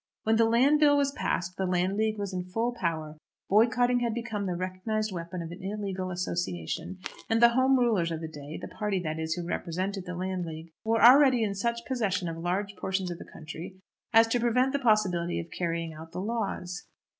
When the Land Bill was passed the Landleague was in full power; boycotting had become the recognised weapon of an illegal association; and the Home Rulers of the day, the party, that is, who represented the Landleague, were already in such possession of large portions of the country as to prevent the possibility of carrying out the laws.